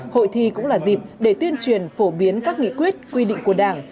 hội thi cũng là dịp để tuyên truyền phổ biến các nghị quyết quy định của đảng